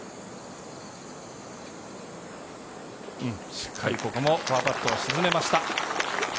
しっかりここもパーパットを沈めました。